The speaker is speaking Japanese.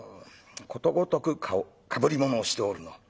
「ことごとくかぶり物をしておるのう。